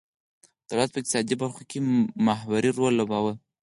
دولت په اقتصادي برخو کې محوري رول لوباوه.